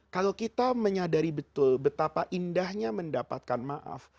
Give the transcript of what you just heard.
kalau kita menyadari betul betapa indahnya mendapatkan maaf